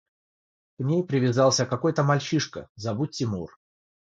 – К ней привязался какой-то мальчишка, зовут Тимур.